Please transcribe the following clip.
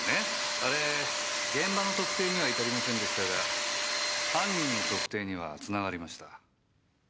あれ現場の特定には至りませんでしたが犯人の特定には繋がりました。